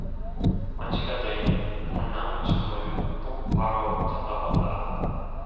만취가 된 한낭청을 똑바로 쳐다본다.